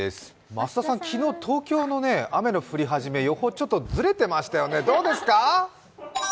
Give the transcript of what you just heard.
増田さん、昨日、東京の雨の降り始め、予報ちょっとずれてましたよね、どうですか？